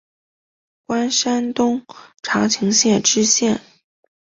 官山东长清县知县。